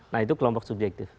nah itu kelompok subjektif